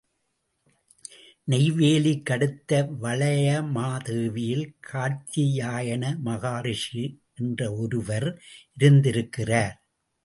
நெய்வேலிக்கு அடுத்த வளையமாதேவியில் கார்த்தியாயன மகரிஷி என்று ஒருவர் இருந்திருக்கிறார்.